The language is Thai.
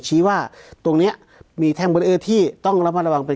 ชี้ว่าตรงเนี้ยมีแท่งเบอร์เออร์ที่ต้องระมัดระวังเป็น